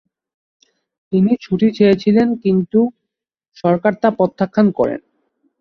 তিনি ছুটি চেয়েছিলেন কিন্তু সরকার তা প্রত্যাখ্যান করেন।